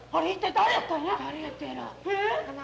誰やったんやな。